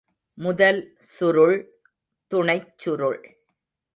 முதல் சுருள், துணைச்சுருள்.